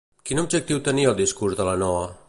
Quin objectiu tenia el discurs de la Noa?